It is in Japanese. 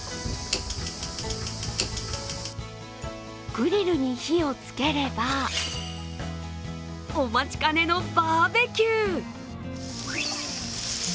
グリルに火をつければお待ちかねのバーベキュー。